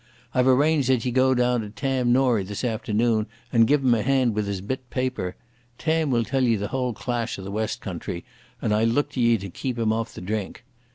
I've arranged that ye go down to Tam Norie this afternoon and give him a hand with his bit paper. Tam will tell ye the whole clash o' the West country, and I look to ye to keep him off the drink.